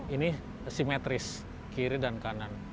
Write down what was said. ini simetris kiri dan kanan